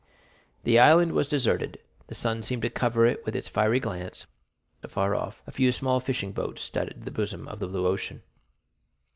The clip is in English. The island was deserted, and the sun seemed to cover it with its fiery glance; afar off, a few small fishing boats studded the bosom of the blue ocean.